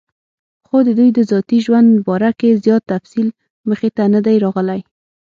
خو دَدوي دَذاتي ژوند باره کې زيات تفصيل مخې ته نۀ دی راغلی